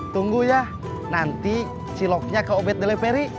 tunggu ya nanti ciloknya kak ubed dileperi